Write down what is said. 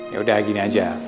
yaudah gini aja